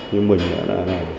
như mình đã là